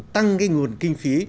tăng cái nguồn kinh phí